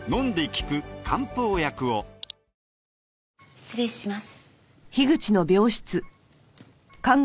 失礼します。